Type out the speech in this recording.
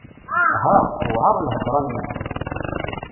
Ha! Tewɛeṛ lhedṛa n medden!